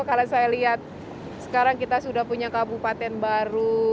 kalau saya lihat sekarang kita sudah punya kabupaten baru